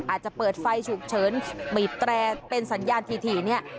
อาจจะเปิดไฟฉุกเฉินบีบแตรเป็นสัญญาณถี่เนี่ย